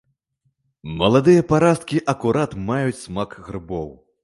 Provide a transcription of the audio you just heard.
Маладыя парасткі акурат маюць смак грыбоў.